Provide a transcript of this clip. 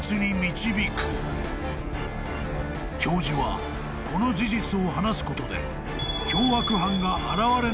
［教授はこの事実を話すことで］